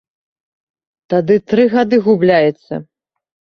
Тады тры гады губляецца!